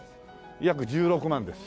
約１６万です。